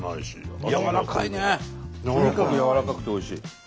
とにかくやわらかくておいしい。